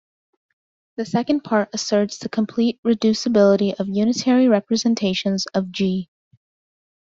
The second part asserts the complete reducibility of unitary representations of "G".